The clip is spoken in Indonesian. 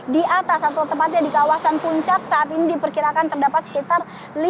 di atas atau tepatnya di kawasan puncak saat ini diperkirakan terdapat sekitar